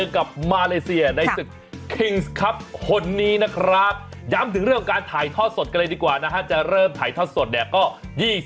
กับสมบัติทั่วไทย